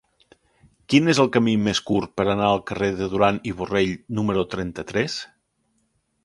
Quin és el camí més curt per anar al carrer de Duran i Borrell número trenta-tres?